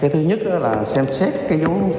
thứ nhất là xem xét cái vụ